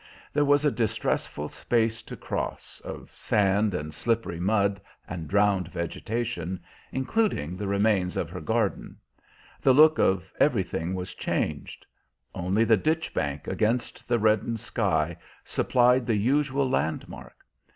There was a distressful space to cross, of sand and slippery mud and drowned vegetation, including the remains of her garden; the look of everything was changed. Only the ditch bank against the reddened sky supplied the usual landmark.